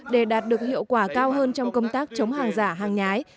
để đạt được hiệu quả cao hơn trong công tác chống hàng giả hàng nhái